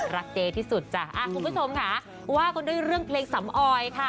เจ๊ที่สุดจ้ะคุณผู้ชมค่ะว่ากันด้วยเรื่องเพลงสำออยค่ะ